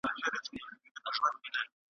تور بورا دي وزر بل محفل ته یوسي `